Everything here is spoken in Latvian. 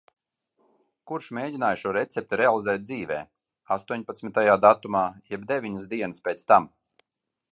Kurš mēģināja šo recepti realizēt dzīvē. Astoņpadsmitajā datumā, jeb deviņas dienas pēc tam.